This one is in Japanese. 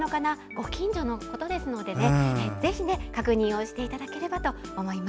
ご近所のことですのでぜひ確認をしていただければと思います。